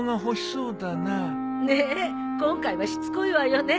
ねえ今回はしつこいわよね。